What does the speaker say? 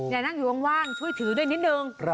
นั่งอยู่ว่างช่วยถือด้วยนิดนึง